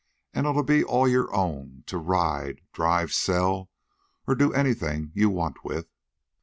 An' it'll be all your own, to ride, drive, sell, or do anything you want with."